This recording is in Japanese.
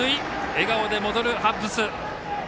笑顔で戻るハッブス。